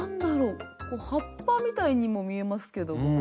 こう葉っぱみたいにも見えますけども。